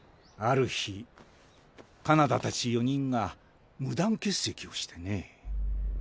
ある日金田たち四人が無断欠席をしてね。